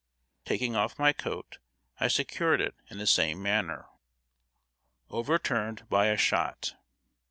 Taking off my coat, I secured it in the same manner. [Sidenote: OVERTURNED BY A SHOT.